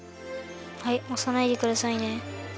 はいおさないでくださいね。